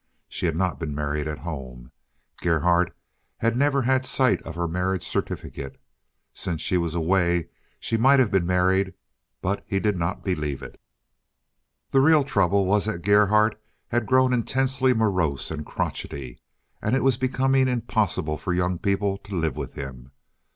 She had not been married at home. Gerhardt had never had sight of her marriage certificate. Since she was away she might have been married, but he did not believe it. The real trouble was that Gerhardt had grown intensely morose and crotchety, and it was becoming impossible for young people to live with him.